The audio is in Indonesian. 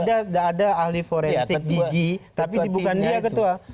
ada ahli forensik gigi tapi bukan dia ketua